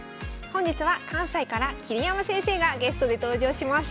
本日は関西から桐山先生がゲストで登場します。